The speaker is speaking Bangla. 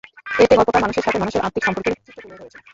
এতে গল্পকার মানুষের সাথে মানুষের আত্মিক সম্পর্কের চিত্র তুলে ধরেছেন।